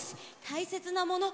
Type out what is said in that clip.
たいせつなもの